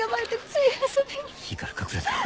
いいから隠れてろ。